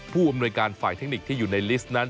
ผู้อำนวยการฝ่ายเทคนิคที่อยู่ในลิสต์นั้น